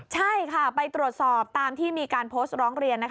ใช่ค่ะไปตรวจสอบตามที่มีการโพสต์ร้องเรียน